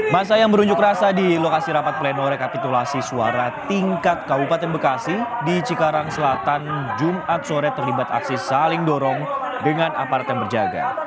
masa yang berunjuk rasa di lokasi rapat pleno rekapitulasi suara tingkat kabupaten bekasi di cikarang selatan jumat sore terlibat aksi saling dorong dengan aparat yang berjaga